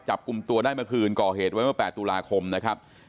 จับกลุ่มตัวได้เมื่อคืนก่อเหตุไว้เมื่อ๘ตุลาคมนะครับ